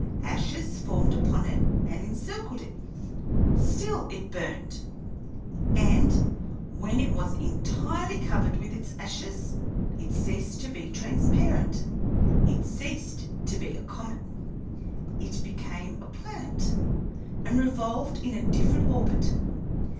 Ashes formed upon it and encircled it; still it burned, and when it was entirely covered with its ashes it ceased to be transparent, it ceased to be a comet; it became a planet, and revolved in a different orbit.